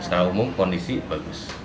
secara umum kondisi bagus